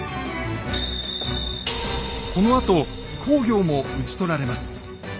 このあと公暁も討ち取られます。